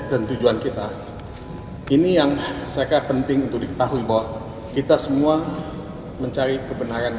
dan tujuan kita ini yang segera penting untuk diketahui bahwa kita semua mencari kebenaran